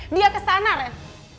dia kesana ren